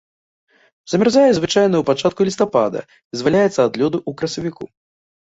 Замярзае звычайна ў пачатку лістапада, вызваляецца ад лёду ў красавіку.